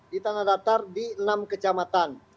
di tandadatar di enam kecamatan